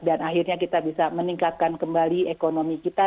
dan akhirnya kita bisa meningkatkan kembali ekonomi kita